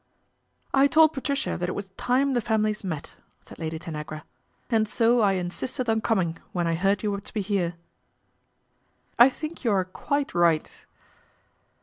" I told Patricia that it was time the families met," said Lady Tanagra, " and so I insisted on coming when I heard you were to be here." " I think you are quite right."